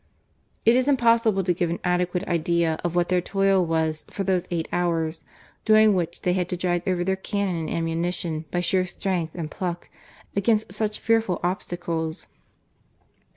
It is impossible to give an adequate idea of what their toil was for those eight hours, during which they had to drag over their cannon and ammunition by sheer strength and pluck against such fearful obstacles.